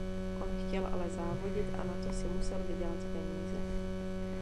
On chtěl ale závodit a na to si musel vydělat peníze.